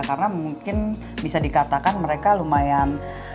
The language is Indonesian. karena mungkin bisa dikatakan mereka lumayan